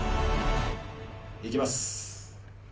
いきます